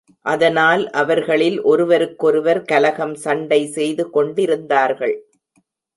அதனால் அவர்களில் ஒருவருக்கொருவர் கலகம், சண்டை செய்து கொண்டிருந்தார்கள்.